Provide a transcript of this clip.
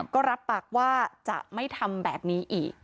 ก็รับปากว่าจะไม่ทำแบบนี้อีก